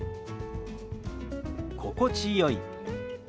「心地よい」。